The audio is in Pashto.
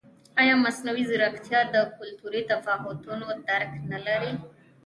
ایا مصنوعي ځیرکتیا د کلتوري تفاوتونو درک نه لري؟